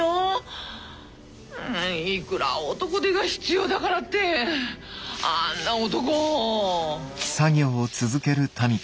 いくら男手が必要だからってあんな男。